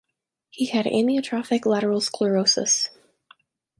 He had amyotrophic lateral sclerosis.